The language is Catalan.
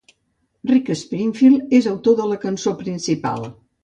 Rick Springfield és coautor de la cançó principal.